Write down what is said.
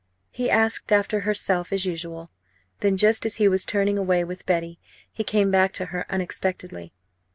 He asked after herself as usual. Then, just as he was turning away with Betty, he came back to her, unexpectedly.